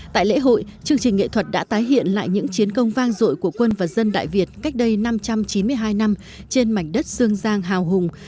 tại lễ hội chương trình nghệ thuật đã tái hiện lại những chiến công vang dội của quân và dân đại việt cách đây năm trăm chín mươi hai năm trên mảnh đất sương giang hào hùng